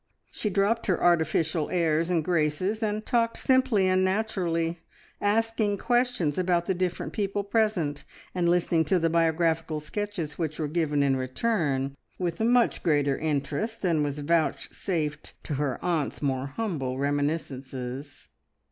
She dropped her artificial airs and graces, and talked simply and naturally, asking questions about the different people present, and listening to the biographical sketches which were given in return, with much greater interest than was vouchsafed to her aunt's more humble reminiscences.